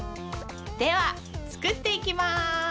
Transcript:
ではつくっていきます。